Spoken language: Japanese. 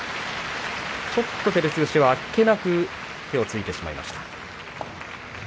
照強あっけなく手をついてしまいました。